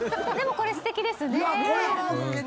でもこれすてきですね。